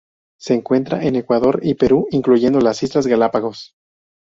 Se encuentra en Ecuador y Perú, incluyendo las Islas Galápagos.